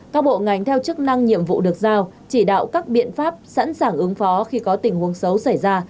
các bộ ngành theo chức năng nhiệm vụ được giao chỉ đạo các biện pháp sẵn sàng ứng phó khi có tình huống xấu xảy ra